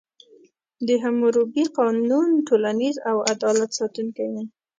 د حموربي قانون ټولنیز او عدالت ساتونکی و.